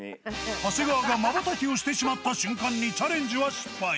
長谷川が瞬きをしてしまった瞬間にチャレンジは失敗。